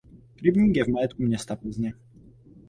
Rybník je v majetku města Plzně.